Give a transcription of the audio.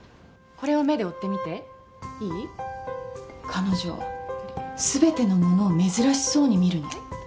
これを目で追ってみていい彼女全てのものを珍しそうに見るの。